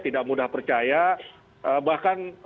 tidak mudah percaya bahkan